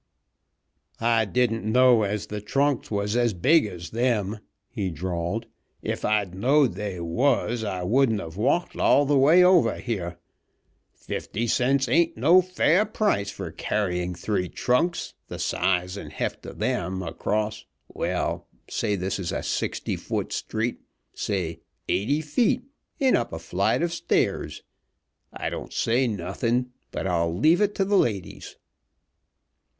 "I didn't know as the trunks was as big as them," he drawled. "If I'd knowed they was, I wouldn't of walked all the way over here. Fifty cents ain't no fair price for carryin' three trunks, the size and heft of them, across well, say this is a sixty foot street say, eighty feet, and up a flight of stairs. I don't say nothin', but I'll leave it to the ladies."